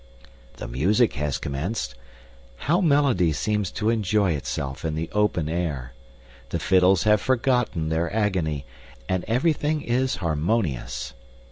The music has commenced. How melody seems to enjoy itself in the open air! The fiddles have forgotten their agony, and everything is harmonious.